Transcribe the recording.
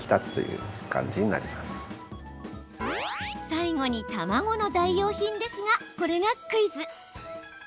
最後に、卵の代用品ですがこれがクイズ。